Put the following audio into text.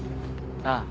ああ。